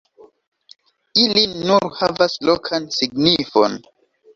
Ili nur havas lokan signifon.